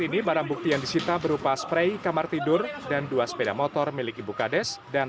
ini barang bukti yang disita berupa sprey kamar tidur dan dua sepeda motor miliki bukades dan